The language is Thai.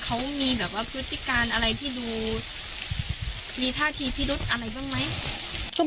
เขามีแบบว่าพฤติการอะไรที่ดูมีท่าทีพิรุธอะไรบ้างไหม